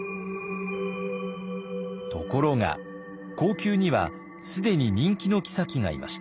ところが後宮には既に人気の后がいました。